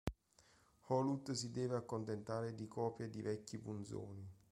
Hulot si deve accontentare di copie di vecchi punzoni.